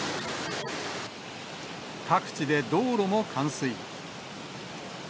各地で道路も冠水。